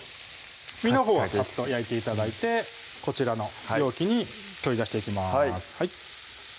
身のほうはサッと焼いて頂いてこちらの容器に取り出していきます